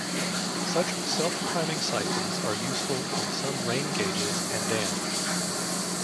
Such self-priming siphons are useful in some rain gauges and dams.